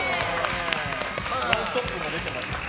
「ノンストップ！」も出てますから。